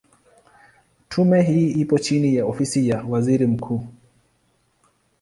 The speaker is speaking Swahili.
Tume hii ipo chini ya Ofisi ya Waziri Mkuu.